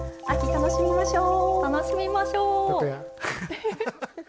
楽しみましょう。